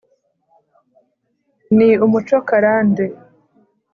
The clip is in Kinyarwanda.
Ni umuco karande